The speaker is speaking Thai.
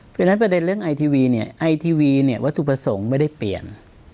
เพราะฉะนั้นประเด็นเรื่องไอทีวีเนี่ยไอทีวีเนี่ยวัตถุประสงค์ไม่ได้เปลี่ยน